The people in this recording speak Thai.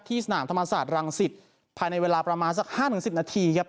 ที่สนามธรรมศาสตร์รังสิตภายในเวลาประมาณสักห้าถึงสิบนาทีครับ